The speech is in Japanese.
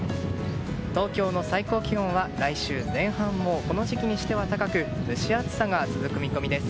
東京の最高気温は、来週前半もこの時期にしては高く蒸し暑さが続く見込みです。